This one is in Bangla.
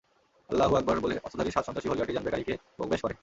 আল্লাহ আকবর বলে অস্ত্রধারী সাত সন্ত্রাসী হলি আর্টিজান বেকারীকে প্রবেশ করে।